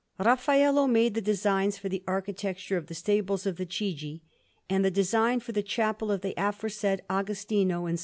Raffaello made the designs for the architecture of the stables of the Chigi, and the design for the chapel of the aforesaid Agostino in S.